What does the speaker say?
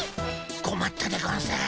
こまったでゴンス。